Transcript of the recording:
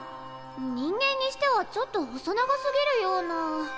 人間にしてはちょっと細長すぎるような。